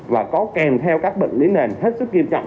và có kèm theo các bệnh lý nền hết sức nghiêm trọng